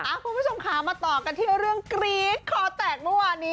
อะคุณผู้ชมค้ามาต่อกันที่เรื่องกรี๊บขอแต่กพอหนิ